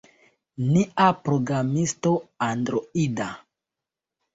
Nia programisto Androida